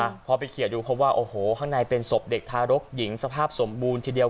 พอไปเขียนดูเพราะว่าโอ้โหข้างในเป็นศพเด็กทารกหญิงสภาพสมบูรณ์ทีเดียว